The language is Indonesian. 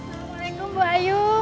assalamualaikum bu ayu